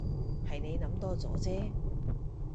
係你諗多咗啫